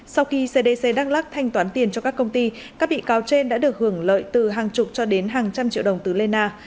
sau khi cdc đắk lắc thanh toán tiền cho các công ty các bị cáo trên đã được hưởng lợi từ hàng chục cho đến hàng trăm triệu đồng từ lê na